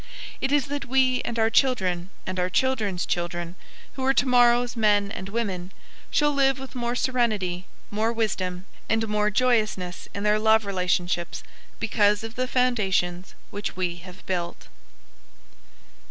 It is that we and our children and our children's children, who are tomorrow's men and women, shall live with more serenity, more wisdom, and more joyousness in their love relationships because of the foundations which we have built.